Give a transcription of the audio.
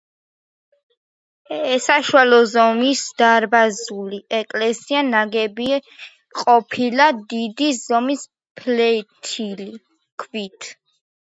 საშუალო ზომის დარბაზული ეკლესია ნაგები ყოფილა დიდი ზომის ფლეთილი ქვით.